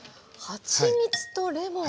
はちみつとレモン。